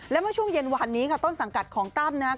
และเมื่อช่วงเย็นวันนี้ค่ะต้นสังกัดของตั้มนะครับ